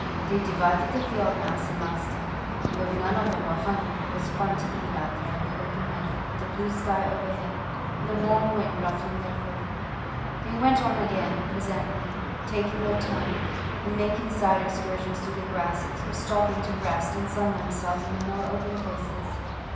They divided the field mouse amongst them, and though none of them were hungry it was fun to eat out there in the open meadow with the blue sky overhead, and the warm wind ruffling their fur. They went on again presently, taking their time, and making side excursions through the grasses, or stopping to rest and sun themselves in the more open places.